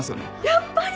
やっぱり！